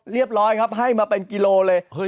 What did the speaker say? เรียบร้อยครับให้มาเป็นกิโลเลย